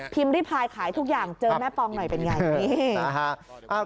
พิมพ์รีไพรขายทุกอย่างเจอแม่ปองหน่อยเป็นอย่างไร